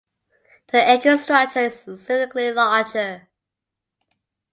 The Anker structure is significantly larger.